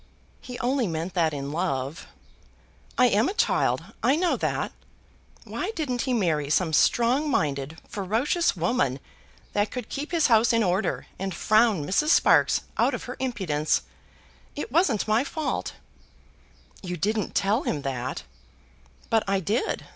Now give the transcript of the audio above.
"He only meant that in love." "I am a child; I know that. Why didn't he marry some strong minded, ferocious woman that could keep his house in order, and frown Mrs. Sparkes out of her impudence? It wasn't my fault." "You didn't tell him that." "But I did.